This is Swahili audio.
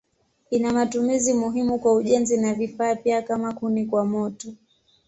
Ina matumizi muhimu kwa ujenzi na vifaa pia kama kuni kwa moto.